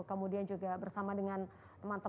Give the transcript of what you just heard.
kemudian juga bersama dengan teman teman